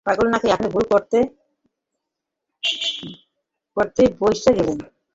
পাগল নাকি আপনি, ভুল করতে করতে, বাঁইচা গেলেন।